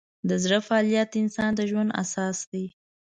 د زړه فعالیت د انسان د ژوند اساس دی.